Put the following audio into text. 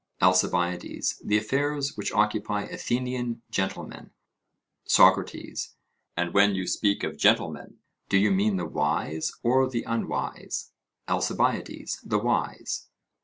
ALCIBIADES: The affairs which occupy Athenian gentlemen. SOCRATES: And when you speak of gentlemen, do you mean the wise or the unwise? ALCIBIADES: The wise.